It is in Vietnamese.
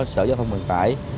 sở giao thông vận tải